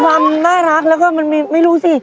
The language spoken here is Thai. มันน่ารักและก็มึงไม่รู้สิ